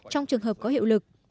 trong trường hợp có hiệu lực